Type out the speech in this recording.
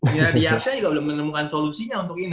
minari yasha juga belum menemukan solusinya untuk ini